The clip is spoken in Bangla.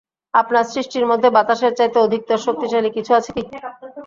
আপনার সৃষ্টির মধ্যে বাতাসের চাইতে অধিকতর শক্তিশালী কিছু আছে কি?